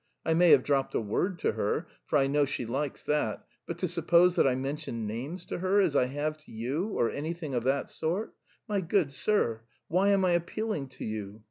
I may have dropped a word to her, for I know she likes that, but to suppose that I mentioned names to her as I have to you or anything of that sort! My good sir! Why am I appealing to you?